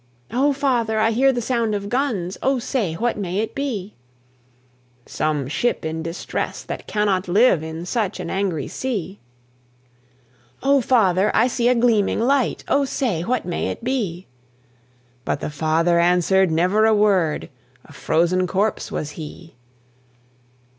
"O father! I hear the sound of guns, O say, what may it be?" "Some ship in distress, that cannot live In such an angry sea!" "O father! I see a gleaming light, O say, what may it be?" But the father answered never a word, A frozen corpse was he.